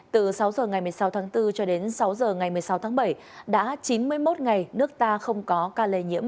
từ sáu h ngày một mươi sáu tháng bốn cho đến sáu h ngày một mươi sáu tháng bảy đã chín mươi một ngày nước ta không có ca lây nhiễm